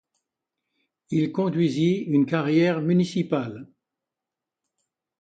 Il conduisit une carrière municipale.